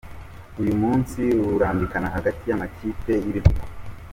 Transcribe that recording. Uyu munsi rurambikana hagati y’amakipe y’ibihugu